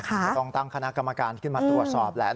ก็ต้องตั้งคณะกรรมการขึ้นมาตรวจสอบแหละ